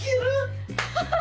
ハハハ！